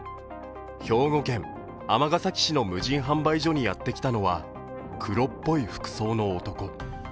兵庫県尼崎市の無人販売所にやってきたのは黒っぽい服装の男。